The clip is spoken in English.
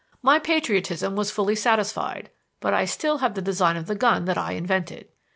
My patriotism was fully satisfied, but I still have the design of the gun that I invented."